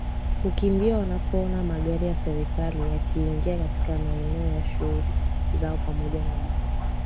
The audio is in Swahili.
kukimbia wanapoona magari ya serikali yakiingia katika maeneo ya shule zao pamoja na baadhi